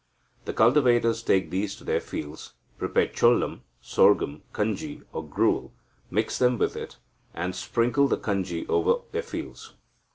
The cultivators take these to their fields, prepare cholam (Sorghum) kanji or gruel, mix them with it, and sprinkle the kanji over their fields.